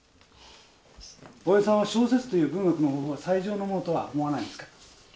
大江さんは小説という文学の方法は最上のものとは思わないんですか？